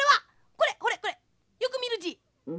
これこれこれよくみるじ」。